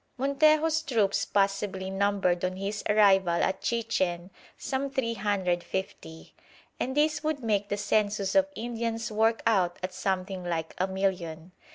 Montejo's troops possibly numbered on his arrival at Chichen some 350, and this would make the census of Indians work out at something like a million.